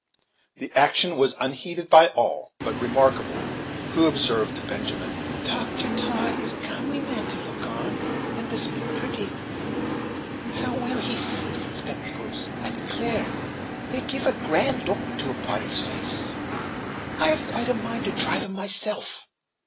The action was unheeded by all but Remarkable, who observed to Benjamin: "Dr. Todd is a comely man to look on, and despu't pretty. How well he seems in spectacles! I declare, they give a grand look to a body's face. I have quite a great mind to try them myself."